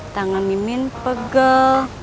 tangan mimin pegel